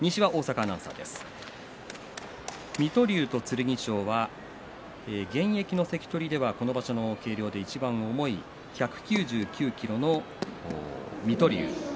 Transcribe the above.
水戸龍と剣翔は現役の関取ではこの場所の計量ではいちばん重い１９９ｋｇの水戸龍。